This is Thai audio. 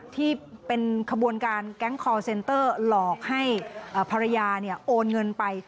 ที่เป็นขบวนการแก๊งคอร์เซนเตอร์หลอกให้ภรรยาโอนเงินไป